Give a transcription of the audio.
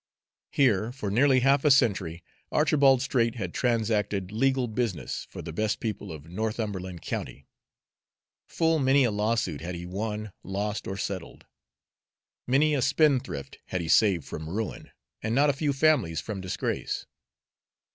Here, for nearly half a century, Archibald Straight had transacted legal business for the best people of Northumberland County. Full many a lawsuit had he won, lost, or settled; many a spendthrift had he saved from ruin, and not a few families from disgrace.